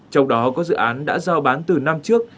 trong đó có dự án đã giao bán từ năm trước